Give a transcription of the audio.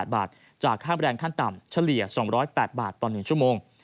๘บาทจากค่าแรงขั้นต่ำเฉลี่ย๒๐๘บาทต่อ๑ชั่วโมง